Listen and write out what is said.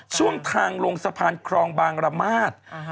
ช่วงทางลงสะพานครองบางระมาท